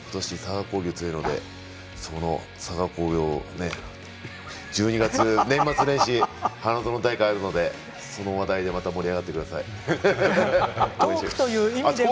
今年佐賀工業が強いので佐賀工業を１２月、年末年始花園大会あるので盛り上がってください。